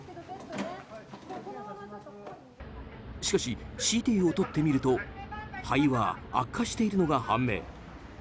しかしＣＴを撮ってみると肺は悪化しているのが判明。